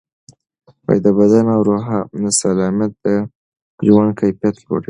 د بدن او روح سالمیت د ژوند کیفیت لوړوي.